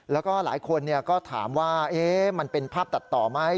แล้วก็หลายคนก็ถามว่ามันเป็นภาพตัดต่อไหม